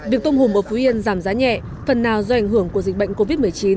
việc tôm hùm ở phú yên giảm giá nhẹ phần nào do ảnh hưởng của dịch bệnh covid một mươi chín